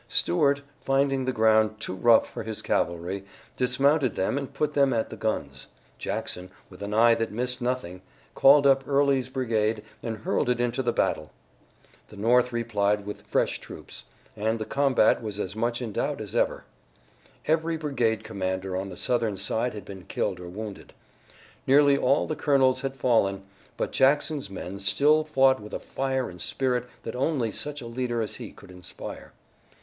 Stuart, finding the ground too rough for his cavalry, dismounted them and put them at the guns. Jackson, with an eye that missed nothing, called up Early's brigade and hurled it into the battle. The North replied with fresh troops, and the combat was as much in doubt as ever. Every brigade commander on the Southern side had been killed or wounded. Nearly all the colonels had fallen, but Jackson's men still fought with a fire and spirit that only such a leader as he could inspire.